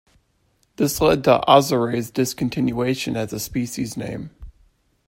This led to "azarae"'s discontinuation as a species name.